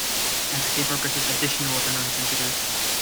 As the game progresses, additional weaponry is introduced.